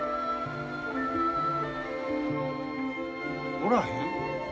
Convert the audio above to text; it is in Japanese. おらへん？